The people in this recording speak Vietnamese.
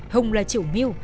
hùng là triệu mưu